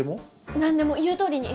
なんでも言うとおりに。